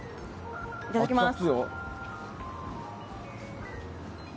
いただきます。